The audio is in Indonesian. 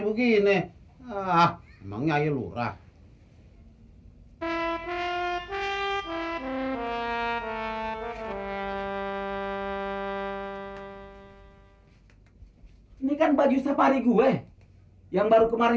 gini ah mengeluh rah hai hai hai hai hai hai hai hai ini kan baju sapari gue yang baru kemarin